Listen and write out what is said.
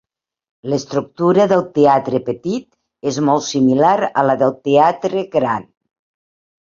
L'estructura del Teatre petit és molt similar a la del Teatre gran.